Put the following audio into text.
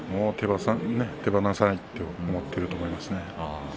もう手放さないと思っていると思いますね。